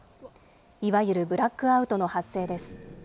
いわゆるブラックアウトの発生です。